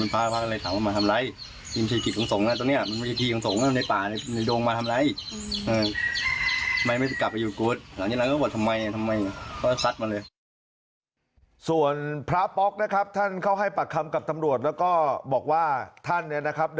เพราะฉะนั้นเขาก็ละโกนค่ะนามด่ากลับมาแหละ